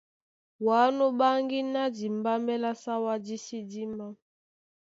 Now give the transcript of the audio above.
Wǎ nú ɓáŋgí ná dimbámbɛ́ lá Sáwá dí sí dímá.